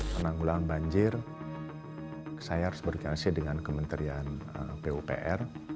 penanggulan banjir saya harus berkasi dengan kementerian pupr